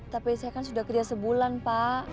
tapi saya kan sudah kerja sebulan pak